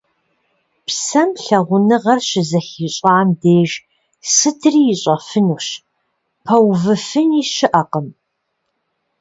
Псэм лъагъуныгъэр щызэхищӏам деж сытри ищӏэфынущ, пэувыфыни щыӏэкъым…